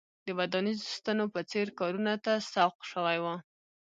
د ودانیزو ستنو په څېر کارونو ته سوق شوي وای.